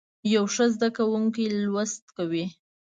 یو ښه زده کوونکی لوست کوي.